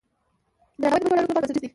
درناوی د بشري اړیکو لپاره بنسټیز دی.